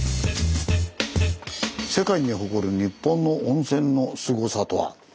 「世界に誇る日本の温泉のスゴさとは？」。